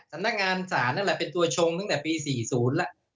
สำนักงานศาลนั่นแหละเป็นตัวชงตั้งแต่ปี๔๐แล้ว